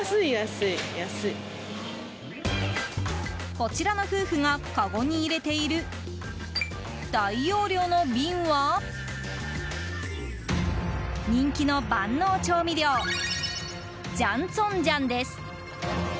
こちらの夫婦がかごに入れている大容量の瓶は人気の万能調味料ジャンツォンジャンです。